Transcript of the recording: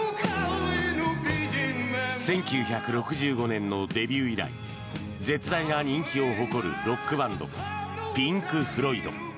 １９６５年のデビュー以来絶大な人気を誇るロックバンドピンク・フロイド。